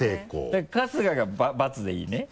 だから春日が「×」でいいね？